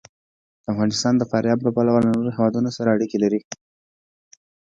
افغانستان د فاریاب له پلوه له نورو هېوادونو سره اړیکې لري.